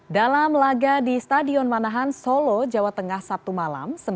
dalam laga di stadion manahan solo jawa tengah sabtu malam